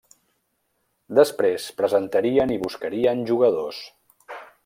Després presentarien i buscarien jugadors.